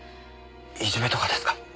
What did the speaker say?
いじめとかですか？